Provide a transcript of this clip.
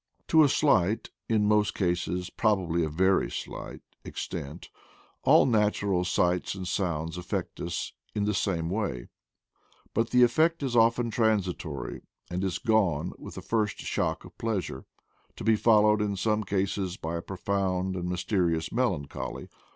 To a slight, in most cases probably a very slight, extent, all natural sights and sounds affect us in the same way; but the effect is often transitory, and is gone with the first shock of pleasure, to be followed in some cases by a profound and mysterious melancholy.